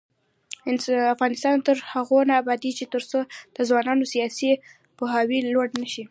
افغانستان تر هغو نه ابادیږي، ترڅو د ځوانانو سیاسي پوهاوی لوړ نشي.